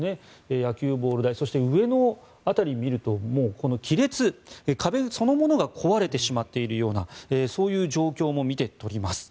野球ボール大そして上の辺りを見るともう亀裂、壁そのものが壊れてしまっているようなそういう状況も見て取れます。